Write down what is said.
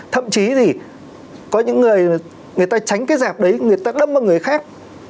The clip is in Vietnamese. thậm chí thì có những người người ta tránh cái dẹp đấy người ta đâm vào người khác